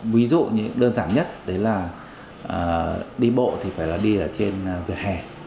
ví dụ như đơn giản nhất đấy là đi bộ thì phải là đi ở trên vỉa hè